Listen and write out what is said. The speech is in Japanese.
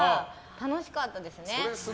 楽しかったですね。